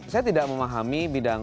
saya tidak memahami bidang